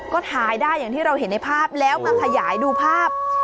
ก็ถ่ายได้อย่างที่เราเห็นในภาพแล้วมาขยายดูภาพ